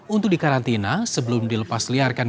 untuk dikarantina sebelum dilepasliarkan